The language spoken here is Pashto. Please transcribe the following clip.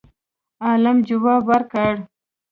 عالم جواب ورکړ